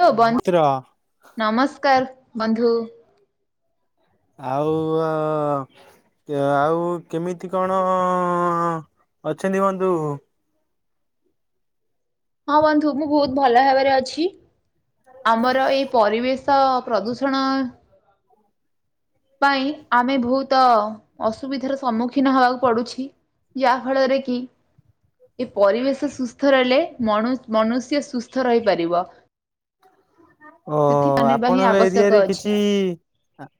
ଲୋ ବ ନମସ୍ତ୍ର ନମସ୍କାର ବନ୍ଧୁ। ଆଉ ଅ ଏ ଆଉ କେମିତି କଣ ଅଛନ୍ତି ବନ୍ଧୁ? ହଁ ବନ୍ଧୁ ମୁଁ ବହୁତ ଭଲ ଭାବରେ ଅଛି ଆମର ଏଇ ପରିବେଶ ସ ପ୍ରଦୂଷଣ ପାଇଁ ଆମେ ବହୁତ ଅସୁବିଧାର ସମ୍ମୁଖୀନ ହେବାକୁ ପଡୁଛି। ଯାହା ଫଳରେ କି ଏ ପରିବେଶ ସୁସ୍ଥ ରହିଲେ ମଣୁ ମନୁଷ୍ୟ ସୁସ୍ଥ ରହିପାରିବ। ଓ ସେଥି ମାନିବା ହିଁ ଆପଣଙ୍କ ଏରିଆରେ ଆବଶ୍ୟକ କିଛି ଅଛି। ଆ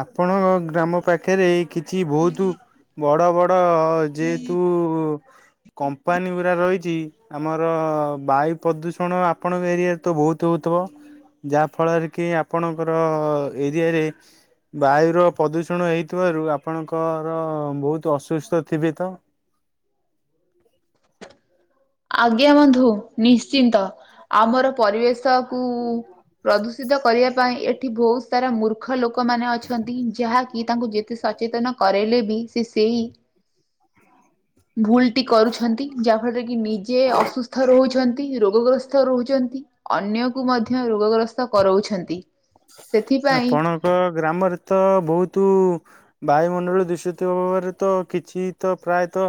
ଆପଣଙ୍କ ଗ୍ରାମ ପାଖେରେ କିଛି ଭଉତୁ ବଡ ବଡ ଯେହେତୁ କମ୍ପାନୀ ଗୁୁରା ରହିଛି ଆମର ବାୟୁ ପ୍ରଦୂଷଣ ଆପଣଙ୍କ ଏରିଆରେ ତ ବହୁତ ତୁ ହେଉଥିବ ଯାହାଫଳରେ କି ଆପଣଙ୍କର ଏରିଆରେ ବାୟୁର ପ୍ରଦୂଷଣ ହେଇଥିବାରୁ ଆପଣଙ୍କର ବହୁତ ଅସୁସ୍ଥ ଥିବେ ତ? ଆଜ୍ଞା ବନ୍ଧୁ ନିଶ୍ଚିନ୍ତ। ଆମର ପରିବେଶ କୁ ପ୍ରଦୂଷିତ କରିବା ପାଇଁ ଏଠି ବହୁତ ସାରା ମୃ ର୍ଖ ଲୋକମାନେ ଅଛନ୍ତି ଯାହାକି ତାଙ୍କୁ ଯେତେ ସଚେତନ କରାଇଲେ ବି ସେ ସେଇ ଭୁଲଟି କରୁଛନ୍ତି ଯାହାଫଳରେ କି ନିଜେ ଅସୁସ୍ଥ ରହୁଛ ନ୍ତି ରୋଗଗ୍ରସ୍ତ ରହୁଛନ୍ତି ଅନ୍ୟକୁ ମଧ୍ୟ ରୋଗଗ୍ରସ୍ତ କରଉଛନ୍ତି। ସେଥିପାଇଁ ଆପଣଙ୍କ ଗ୍ରାମରେ ତ ଭଉତୁ ବାୟୁମଣ୍ଡଳ ଦୁଶିତି ହେବାରେ ତ କିଛି ତ ପ୍ରାୟତଃ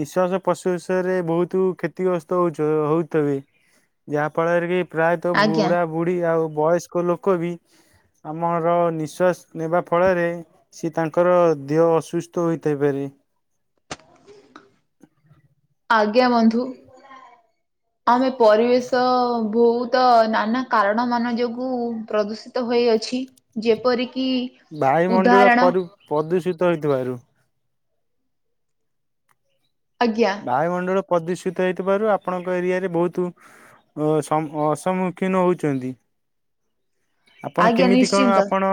ନିଶ୍ୱାସ ପଶୁସରେ ବହୁତ କ୍ଷତିଗ୍ରସ୍ତ ହଉଛ ହଉଥେବେ? ଯାହା ଫଳରେ କି ପ୍ରାୟତଃ ଆଜ୍ଞା ବୁଢା ବୁଢୀ ଆଉ ବୟସ୍କ ଲୋକ ବି ଆମର ନିଶ୍ୱାସ ନେବା ଫଳରେ ସିଏ ତାଙ୍କର ଦେହ ଅସୁସ୍ଥ ହୋଇଥାଇ ପାରେ। ଆଜ୍ଞା ବନ୍ଧୁ। ଆମେ ପରିବେଶ ବହୁତ ତ ନାନା କାରଣ ମାନ ଯୋଗୁ ପ୍ରଦୂଷିତ ହୋଇଅଛି। ଯେପରିକି ଉଦାହରଣ ପଦୂଷିତ ହୋଇଥିବାରୁ। ଆଜ୍ଞା। ବାୟୁମଣ୍ଡଳ ପ୍ରଦୂଷିତ ହେଇଥିବାରୁ ଆପଣଙ୍କ ଏରିଆରେ ବହୁତ ଅସମ ଅସମୁଖୀନ ହଉଛନ୍ତି। ଆପଣ ଆଜ୍ଞା କେମିତି କଣ ନିଶ୍ଚିନ୍ତ ଆପଣ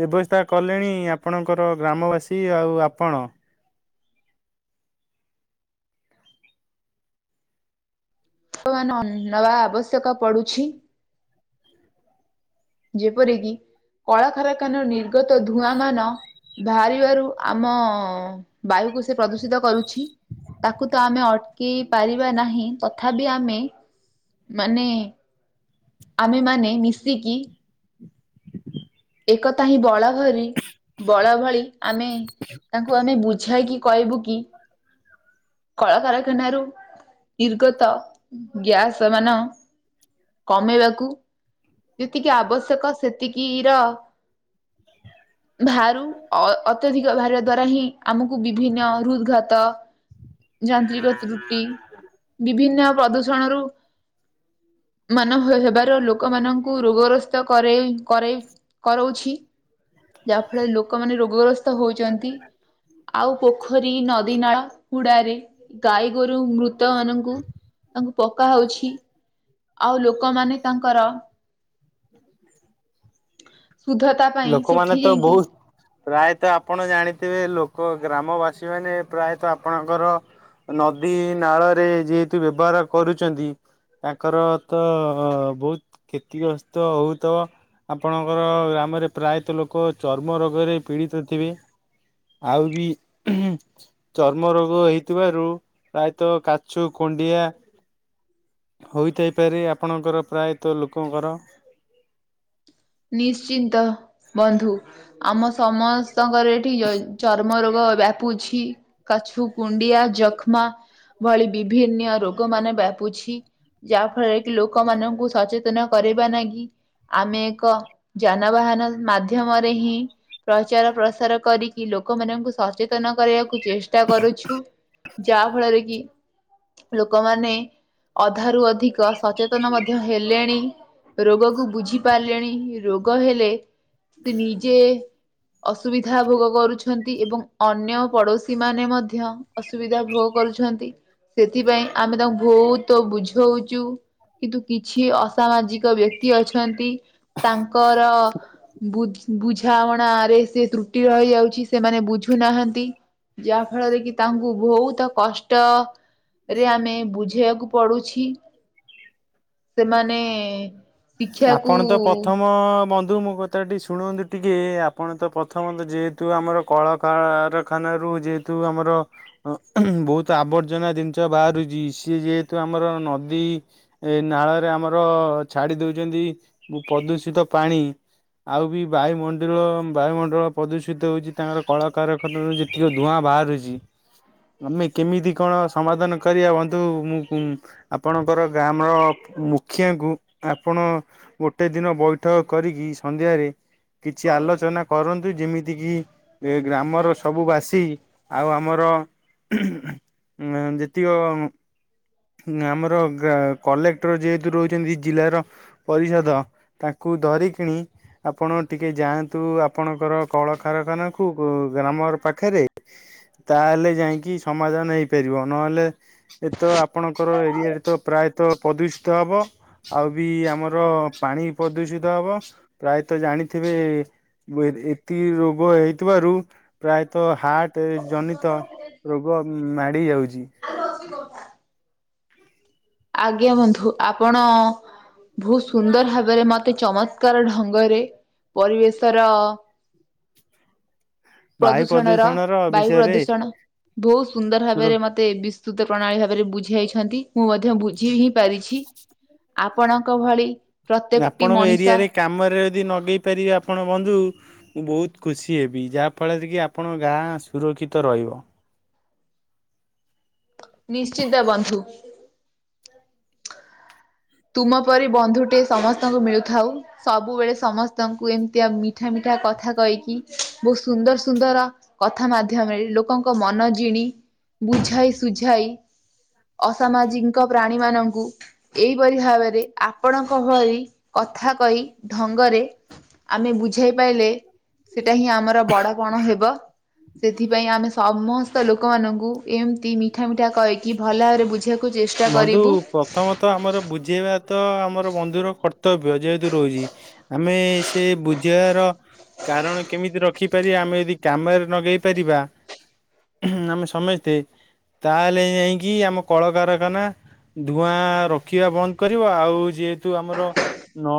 ବ୍ୟବସ୍ଥା କଲେଣି ଆପ ଆପଣଙ୍କର ଗ୍ରାମବାସୀ ଆଉ ଆପଣ ବର୍ତ୍ତମାନ ନେବା ଆବଶ୍ୟକ ପଡୁଛି। ଯେପରିକି କଳକାରଖାନା ନିର୍ଗତ ଧୂଆଁ ମାନ ବାହାରିବାରୁ ଆମ ବାୟୁକୁ ସେ ପ୍ରଦୂଷିତ କରୁଛି। ତାକୁ ତ ଆମେ ଅଟକେଇ ପାରିବା ନାହିଁ ତଥାବି ଆମେ ମାନେ ଆମେ ମାନେ ମିଶିକି ଏକତା ହିଁ ବଳଭରି ବଳ ଭଳି ଆମେ ତାଙ୍କୁ ଆମେ ବୁଝାଇକି କହିବୁ କି କଳକାରଖାନାରୁ ନିର୍ଗତ ଗ୍ୟାସ ମାନ କମେଇବାକୁ ଯେତିକି ଆବଶ୍ୟକ ସେତିକି ର ଭାରୁ ଅ ଅତ୍ୟଧିକ ଭାରିବା ଦ୍ଵାରା ହିଁ ଆମକୁ ବିଭିନ୍ନ ହୃଦଘାତ ଯାନ୍ତ୍ରିକ ତ୍ରୁଟି ବିଭିନ୍ନ ପ୍ରଦୂଷ ସଣରୁ ମାନ ହ ହେବାର ଲୋକମାନ କୁ ରୋଗଗ୍ରସ୍ତ କରେଇ କରେଇ କରୋଉଛି। ଯାହା ଫଳରେ ଲୋକମାନେ ରୋଗଗ୍ରସ୍ତ ହୋଉଚନ୍ତି। ଆଉ ପୋଖରୀ ନଦୀ ନାଳ ହୁଡାରେ ଗାଈ ଗୋରୁ ମୃତ ମାନଙ୍କୁ ତାଙ୍କୁ ପକା ହଉଛି। ଆଉ ଲୋକମାନେ ତାଙ୍କର ସୁଧତ ଲୋକମାନେ ତ ବୋହୁତ ପ୍ରାୟତଃ ଆପଣ ଜାଣିଥିବେ ଲୋକ ଗ୍ରାମବାସୀ ମାନେ ପ୍ରାୟତଃ ଆପଣଙ୍କର ନଦୀ ନାଳରେ ଯେହେତୁ ବ୍ୟବହାର କରୁଚନ୍ତି ତାଙ୍କର ତ ବୋହୁତ କ୍ଷତିଗ୍ରସ୍ତ ହୋଉଥବ। ଆପଣଙ୍କର ଗ୍ରାମରେ ପ୍ରାୟତଃ ଲୋକ ଚର୍ମ ରୋଗରେ ପୀଡ଼ିତ ଥିବେ। ଆଉ ବି ଉହୁଁ ଚର୍ମ ରୋଗ ହେଇଥିବାରୁ ପ୍ରାୟତଃ କାଛୁ କୁଣ୍ଡିଆ ହୋଇଥାଇପାରେ ଆପଣଙ୍କର ପ୍ରାୟତଃ ଲୋକଙ୍କର ନିଶ୍ଚିନ୍ତ ବନ୍ଧୁ ଆମ ସମସ୍ତଙ୍କର ଏଠି ୟ ଚ ର୍ମ ରୋଗ ବ୍ୟାପୁଛି କାଛୁ, କୁଣ୍ଡିଆ, ଯକ୍ଷ୍ମା ଭଳି ବିଭିନ୍ନ ରୋଗ ମାନେ ବ୍ୟାପୁଛି। ଯାହା ଫଳରେ କି ଲୋକମାନଙ୍କୁ ସଚେତନ କରେଇବାନାଗି ଆମେ କ ଯାନବାହାନ ମାଧ୍ୟମରେ ହିଁ ପ୍ରଚାର ପ୍ରସାର କରିକି ଲୋକମାନଙ୍କୁ ସଚେ ତନ କରିବାକୁ ଚେଷ୍ଟା କରୁଛୁ ଯାହା ଫଳରେ କି ଲୋକମାନେ ଅଧାରୁ ଅଧିକ ସଚେତନ ମଧ୍ୟ ହେଲେଣି। ରୋଗ କୁ ବୁଝିପାରିଲେଣି ରୋଗ ହେଲେ ସେ ନିଜେ ଅସୁବିଧା ଭୋଗ କରୁଛନ୍ତି ଏବଂ ଅନ୍ୟ ପଡୋଶୀ ମାନେ ମଧ୍ୟ ଅସୁବିଧା ଭୋଗ କରୁଛନ୍ତି, ସେଥିପାଇଁ ଆମେ ତାଙ୍କୁ ଭୋହୁତ ବୁଝୋଉଛୁ। କିନ୍ତୁ କିଛି ଅସାମାଜିକ ବ୍ୟକ୍ତି ଅଛନ୍ତି ତାଙ୍କର ବୁ ବୁଝାମଣା ରେ ସେ ତ୍ରୁଟି ରହିଯାଉଛି, ସେମାନେ ବୁଝୁନାହାନ୍ତି। ଯାହା ଫଳରେ କି ତାଙ୍କୁ ଭୋହୁତ କଷ୍ଟ ରେ ଆମେ ବୁଝେଇବାକୁ ପଡୁଛି ସେମାନେ ଆପଣ ତ ଶିକ୍ଷାକୁ ପ୍ରଥମ ମ ବନ୍ଧୁ ମୋ କଥା ଟି ଶୁଣନ୍ତୁ ଟିକେ, ଆପଣ ତ ପ୍ରଥମ ତ ଯେହେତୁ ଆମର କଳକାରଖାନାରୁ ଯେହେତୁ ଆମର ବୋହୁତ ଆବର୍ଜନା ଜିନିଷ ବାହାରୁଛି ସିଏ ଯେହେତୁ ଆମର ନଦୀ ଏ ନାଳରେ ଆମର ଛାଡି ଦେଉଛନ୍ତି ପ୍ରଦୂଷିତ ପାଣି ଆଉ ବି ବାୟୁମଣ୍ଡିଳ ବାୟୁମଣ୍ଡଳ ପ୍ରଦୂଷିତ ହଉଛି ତାଙ୍କର କଳାକାରାରଖାନା ଟିକ ଧୂଆଁ ବାହାରୁଛି। ଆମେ କେମିତି କଣ ସମାଧାନ କରିବା ବନ୍ଧୁ ମୁଁ ଆପଣଙ୍କର ଗ୍ରାମ ର ମୁଖିଆଙ୍କୁ ଆପଣ ଗୋଟେ ଦିନ ବୈଠକ କରିକି ସନ୍ଧ୍ୟାରେ କିଛି ଆଲୋଚନା କର କିନ୍ତୁ ଯେମିତି କିି ଗ୍ରାମର ସବୁ ବାସି ଆଉ ଆମର ହୁଁଁ। ଅଁ ଯେତିକ ଆମର ଗା କଲେକ୍ଟର ଯେହେତୁ ରହିଚନ୍ତି ଜିଲ୍ଲାର ପରିଷଦ ତାକୁ ଧରିକିଣି ଆପଣ ଟିକେ ଯାଆନ୍ତୁ ଆପଣଙ୍କର କଳକାରାଖାନାକୁ ଗ୍ରାମ ପାଖରେ। ତାହେଲେ ଯାଇକି ସମାଧାନ ହେଇପାରିବ। ନହେଲେ ଏ ତ ଆପଣଙ୍କର ଏରିଆରେ ତ ପ୍ରାୟତଃ ପ୍ରଦୂଷିତ ହେବ। ଆଉ ବି ଆମର ପାଣି ପ୍ରଦୂଷିତ ହବ ପ୍ରାୟତଃ ଜାଣିଥିବେ ମୁଁ ହେଲି ଏତିକି ରୋଗ ହେଇଥିବାରୁ ପ୍ରାୟତଃ ହାର୍ଟ ଜନିତ ରୋଗ ମାଡ଼ି ଯାଉଚି। ଆଜ୍ଞା ବନ୍ଧୁ ଆପଣ ବହୁତ ସୁନ୍ଦର ଭାବରେ ମତେ ଚମତ୍କାର ଢଙ୍ଗରେ ପରିବେଶର ବାୟୁ ପ୍ରଦୂଷଣର ବାୟୁ ପ୍ରଦୂଷଣ ବହୁତ ସୁନ୍ଦର ସୁର ଭାବରେ ମ ମତେ ବିସ୍ତୃତ ପ୍ରଣାଳୀ ଭାବରେ ବୁଝାଇଛନ୍ତି। ମୁଁ ମଧ୍ୟ ବୁଝି ହିଁ ପାରିଛି। ଆପଣଙ୍କ ଭଳି ପ୍ରତ୍ୟେକଟି ଆପଣଙ୍କ ମଣିଷ ଏରିଆରେ କାମରେ ଯଦି ନଗେଇ ପାରିବେ ଆପଣ ବନ୍ଧୁ ମୁଁ ବହୁତ ଖୁସି ହେବି। ଯାହାଫଳରେ କି ଆପଣଙ୍କ ଗାଁ ସୁରକ୍ଷିତ ରହିବ। ନିଶ୍ଚିନ୍ତ ବନ୍ଧୁ। ତୁମ ପରି ବନ୍ଧୁଟେ ସମସ୍ତଙ୍କୁ ମିଳୁଥାଉ। ସବୁବେଳେ ସମସ୍ତଙ୍କୁ ଏମିତିଆ ମିଠା ମିଠା କଥା କହିକି ବହୁତ ସୁନ୍ଦର ସୁନ୍ଦର କଥା ମାଧ୍ୟମରେ ଲୋକଙ୍କ ମନ ଜିଣି ବୁଝାଇ ସୁୁଝାଇ ଅସାମାଜିଙ୍କ ପ୍ରାଣୀମାନଙ୍କୁ କିପରି ଭାବରେ ଆପଣଙ୍କ ଭଳି କଥା କହି ଢଙ୍ଗରେ ଆମେ ବୁଝାଇ ପାଇଲେ ସେଇଟା ହିଁ ଆମର ବଡ଼ ପଣ ହେବ। ସେଥିପାଇଁ ଆମେ ସମସ୍ତ ଲୋକମାନଙ୍କୁ ଏମିତି ମିଠା ମିଠା କହିକି ଭଲ ଭାବରେ ବୁଝେଇବାକୁ କୁ ଚେଷ୍ଟା କରିବୁ। ତ ଆମର ବୁଝେଇବା ତ ଆମର ବନ୍ଧୁର କର୍ତ୍ତବ୍ୟ ଯେହେତୁ ରହୁଚି। ଆମେ ସେ ବୁଝେଇବାର କାରଣ କେମିତି ରଖିପାରିବା ଆମେ ଯଦି କାମରେ ନଗେଇ ପାରିବା ଆମେ ସମସ୍ତେ ତାହେଲେ ଯାଇଁକି ଆମ କଳକାର ଖାନା ଧୂଆଁ ରୋକିବା ବନ୍ଦ କରିବ ଆଉ ଯେହେତୁ ଆମର ନ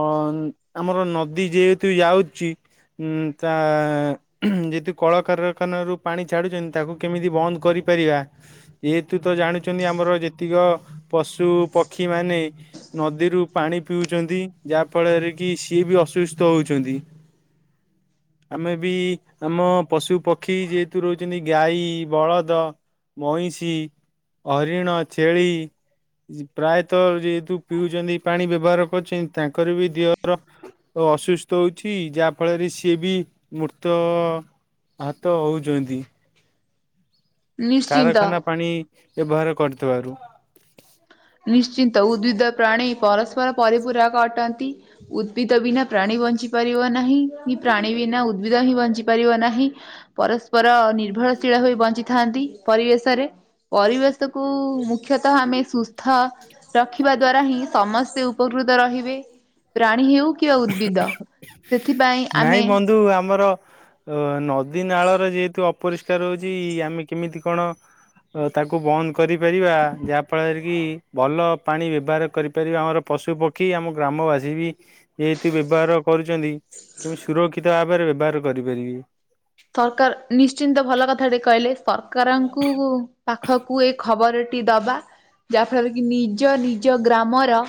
ଆମର ନଦୀ ଯେହେତୁ ଯାଉଛି ଉଁ ତା ଯେହେତୁ କଳକାରଖାନାରୁ ପାଣି ଛାଡୁଛନ୍ତି। ତାକୁ କେମିତି ବନ୍ଦ କରିପାରିବା। ଏଥିରୁ ତ ଜାଣୁଛନ୍ତି ଆମର ଯେତିକ ପଶୁ ପକ୍ଷୀ ମାନେ ନଦୀରୁ ପାଣି ପିଉଚନ୍ତି। ଯାହାଫଳରେ କି ସିଏ ବି ଅସୁସ୍ଥ ହେଉଛନ୍ତି। ହଁ। ଆମେ ବି ଆମ ପଶୁ ପକ୍ଷୀ ଯେହେତୁ ରହୁଚନ୍ତି ଗାଈ ବଳଦ ମଇଁଷି ହରିଣ ଛେଳି ପ୍ରାୟତଃ ଯେହେତୁ ପିଉଚନ୍ତି ପାଣି ବ୍ୟବହାର କରୁଛନ୍ତି। ତାଙ୍କର ବି ଦେହର ଅସୁସ୍ଥ ହଉଛି। ଯାହା ଫଳରେ ସିଏ ବି ମୃତ ହାତ ହେଉଛନ୍ତି। ନିଶ୍ଚିନ୍ତ। କାରଖାନା ପାଣି ବ୍ୟବହାର କରୁଥିବାରୁ। ନିଶ୍ଚିନ୍ତ ଉଦ୍ଭିଦ ପ୍ରାଣୀ ପରସ୍ପର ପରିପୂରକ ଅଟନ୍ତି। ଉଦ୍ଭିଦ ବିନା ପ୍ରାଣୀ ବଞ୍ଚିପାରିବ ନାହିଁ କି ପ୍ରାଣୀ ବିନା ଉଦ୍ଭିଦ ହିଁ ବଞ୍ଚିପାରିବ ନାହିଁ। ପରସ୍ପର ନିର୍ଭରଶୀଳ ହୋଇ ବଞ୍ଚିଥାନ୍ତି ପରିବେଶରେ। ପରିବେଶକୁୁ ମୁଖ୍ୟତଃ ଆମେ ସୁସ୍ ହ ରଖିବା ଦ୍ଵାରା ହିଁ ସମସ୍ତେ ଉପକୃତ ରହିବେ ପ୍ରାଣୀ ହେଉ କି କି ଆଉ ଉଦ୍ଭିଦ ସେଥିପାଇଁ ଆମେ ଯୋଉ ଆମର ଅ ନଦୀନାଳରେ ଯେହେତୁ ଅପରିଷ୍କାର ରହୁଚି ଆମେ କେମିତି କଣ ତାକୁ ବନ୍ଦ କରିପାରିବା ଯାହାଫଳରେ କି ଭଲ ପାଣି ବ୍ୟବହାର କରିପାରିବେ ଆମର ପଶୁପକ୍ଷୀ ଆମ ଗ୍ରାମବାସୀ ବି। ଏଇଥି ବ୍ୟବହାର କରୁଚନ୍ତି କିମିତି ସୁରକ୍ଷିତ ଭାବେରେ ବ୍ୟବହାର କରିପାରିବି। ସରକାର ନିଶ୍ଚିନ୍ତ ଭଲ କଥାଟେ କହିଲେ ସରକାରଙ୍କୁ ପାଖକୁ ଏ ଖବରଟି ଦବା ଯାହାଫଳରେ କି ନିଜ ନିଜ ଗ୍ରାମର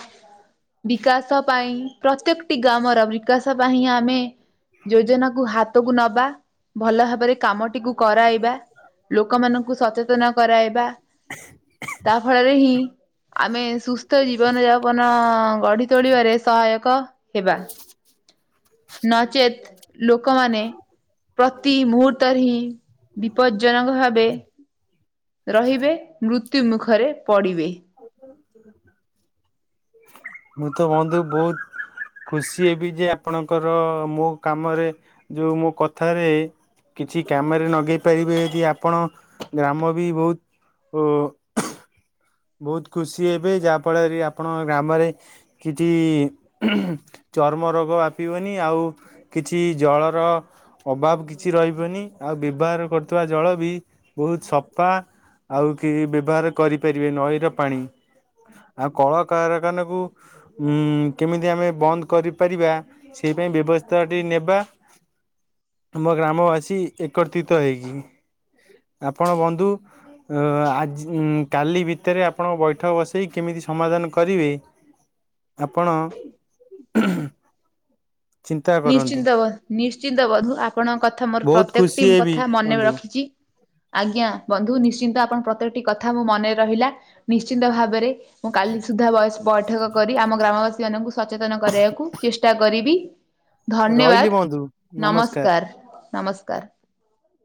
ବିକାଶ ପାଇଁ ପ୍ରତ୍ୟେକଟି ଗ୍ରାମର ବିକାଶ ପାଇଁ ଆମେ ଯୋଜନା କୁ ହାତକୁ ନବା। ଭଲ ଭାବରେ କାମଟିକୁ କରାଇବା ଲୋକମାନଙ୍କୁ ସଚେତନ କରାଇବା। ତା ଫଳରେ ହିଁ ଆମେ ସୁସ୍ଥ ଜୀବନ ଯାପନ ଗଢି ତୋଳିବାରେ ସହାୟକ ହେବା ନଚେତ୍ ଲୋକମାନେ ପ୍ରତି ମୁହୂର୍ତ୍ତରେ ହିଁ ବିପଦଜ୍ଜନକ ଭାବେ ରହିବେ ମୃତ୍ୟୁ ମୁଖରେ ପଡିବେ। ମୁଁ ତ ବନ୍ଧୁ ବହୁତ ଖୁସି ଏବି ଯେ ଆପଣଙ୍କର ମୋ କାମରେ ଯୋଉ ମୋ କଥାରେ କିଛି କାମେରେ ନଗେଇ ପାରିବେ ଯଦି ଆପଣ ଗ୍ରାମ ବି ବହୁତ ଓ ବହୁତ ଖୁସି ହେବେ ଯାହା ଫଳରେ ଆପଣଙ୍କ ଗ୍ରାମରେ କିଛି ଚର୍ମ ରୋଗ ବ୍ୟାପିବନି ଆଉ କିଛି ଜଳର ଅଭାବ କିଛି ରହିବନି ଆଉ ବ୍ୟବହାର କରୁଥିବା ଜଳ ବି ବହୁତ ସପା। ଆଉ କେହି ବ୍ୟବହାର କରିପାରିବେ ନଈର ପାଣି। ଆଉ କଳକାରଖାନାକୁ ହୁଁ କେମିତି ଆମେ ବନ୍ଦ କରିପାରିବା ସେଇପାଇଁ ବ୍ୟବସ୍ଥାଟି ନେବା। ଆମ ଗ୍ରାମବାସୀ ଏକତ୍ରିତ ହେଇଯିମି। ଆପଣ ବନ୍ଧୁ ଅ ଆଜି ଉଁ କାଲି ଭିତେରେ ଆପଣଙ୍କ ବୈଠକ ବସେଇ କେମିତି ସମାଧାନ କରିବେ ଆପଣ ଚିନ୍ତା କରନ୍ତୁ ନିଶ୍ଚିନ୍ତ ବ ନିଶ୍ଚିନ୍ତ ବଧୁ ଆପଣଙ୍କ କଥା ମୋର ପ୍ରତ୍ୟେକ ଟିମ୍ କଥା ମନେ ରଖିଚି। ହ [inaudible] ଆଜ୍ଞା ବନ୍ଧୁ ନିଶ୍ଚିନ୍ତ ଆପଣ ପ୍ରତ୍ୟେକଟି କଥା ମୋ ମନେ ରହିଲା। ନିଶ୍ଚିିନ୍ତ ଭାବେରେ ମୁଁ କାଲି ସୁଦ୍ଧା ବଏସ୍ ବୈଠକ କରି ଆମ ଗ୍ରାମବାସୀ ମାନଙ୍କୁ ସଚେତନ କରେଇଆକୁ ଚେଷ୍ଟା କରିବି। ରହିଲି ଧନ୍ୟବାଦ ବନ୍ଧୁ ନମସ୍କାର ନମସ୍କାର।